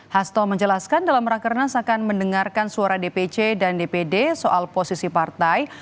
hasto menjelaskan dalam rakernas akan mendengarkan suara dpc dan dpd soal posisi partai